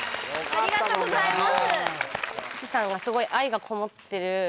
ありがとうございます。